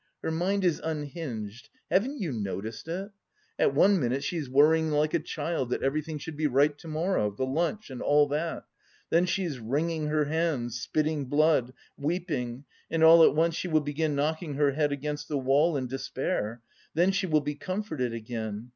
Her mind is unhinged, haven't you noticed it? At one minute she is worrying like a child that everything should be right to morrow, the lunch and all that.... Then she is wringing her hands, spitting blood, weeping, and all at once she will begin knocking her head against the wall, in despair. Then she will be comforted again.